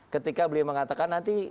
ketika beliau mengatakan nanti